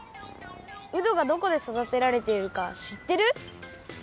うどがどこでそだてられているかしってる？